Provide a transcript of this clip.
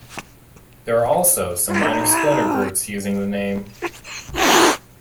There are also some minor splinter groups using the name.